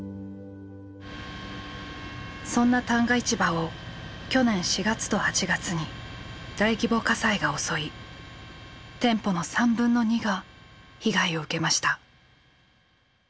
そんな旦過市場を去年４月と８月に大規模火災が襲い店舗の３分の２が被害を受けました。